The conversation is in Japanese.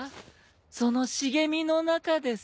その茂みの中です。